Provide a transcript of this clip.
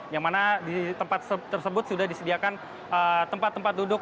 yang mana di tempat tersebut sudah disediakan tempat tempat duduk